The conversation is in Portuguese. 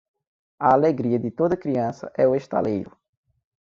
A alegria de toda criança é o estaleiro.